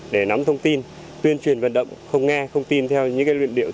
để nắm thông tin tuyên truyền vận động không nghe không tin theo những luyện điệu